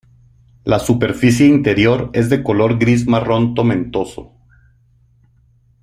La superficie interior es de color gris marrón tomentoso.